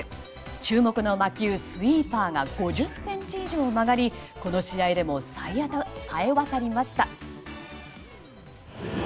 注目の魔球スイーパーが５０ｃｍ以上曲がりこの試合でもさえわたりました。